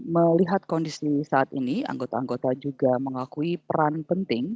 melihat kondisi saat ini anggota anggota juga mengakui peran penting